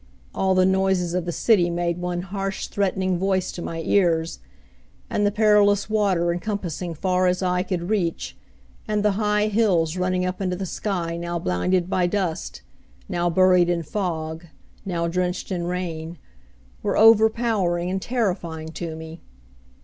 All the noises of the city made one harsh, threatening voice to my ears; and the perilous water encompassing far as eye could reach; and the high hills running up into the sky now blinded by dust, now buried in fog, now drenched in rain, were overpowering and terrifying to me.